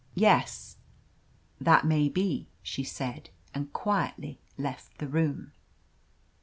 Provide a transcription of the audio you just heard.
"Yes, that may be," she said, and quietly left the room.